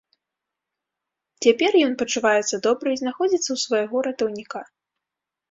Цяпер ён пачуваецца добра і знаходзіцца ў свайго ратаўніка.